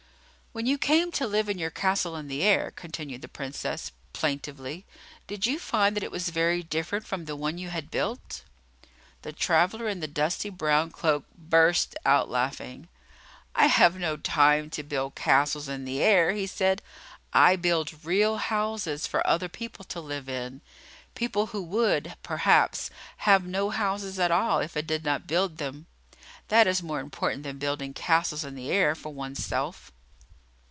"When you came to live in your castle in the air," continued the Princess, plaintively, "did you find that it was very different from the one you had built?" The traveller in the dusty brown cloak burst out laughing. "I have no time to build castles in the air," he said. "I build real houses for other people to live in, people who would, perhaps, have no houses at all if I did not build them. That is more important than building castles in the air for one's self."